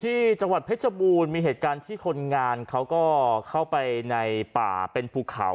ที่จังหวัดเพชรบูรณ์มีเหตุการณ์ที่คนงานเขาก็เข้าไปในป่าเป็นภูเขา